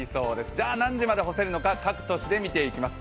じゃあ何時まで干せるのか各都市で見ていきます。